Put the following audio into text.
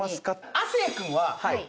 亜生君は。